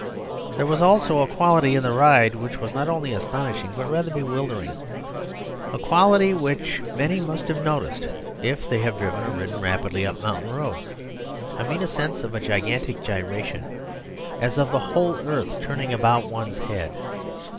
There was also a quality in the ride which was not only astonishing, but rather bewildering; a quality which many must have noticed if they have driven or ridden rapidly up mountain roads. I mean a sense of gigantic gyration, as of the whole earth turning about one's head.